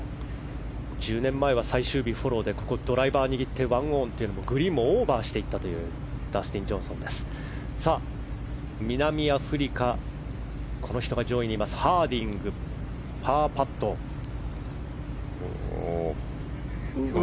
１０年前は最終日がフォローでドライバーを握って１オンでグリーンもオーバーしていったというダスティン・ジョンソン。